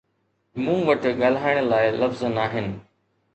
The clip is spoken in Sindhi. مون وٽ ڳالهائڻ لاءِ لفظ ناهن